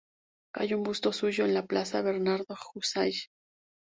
Hay un busto suyo en la plaza "Bernardo Houssay".